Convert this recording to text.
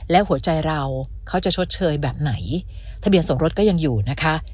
และหัวใจเราเขาจะชดเชยแบบไหนทะเบียนสมรสก็ยังอยู่นะคะ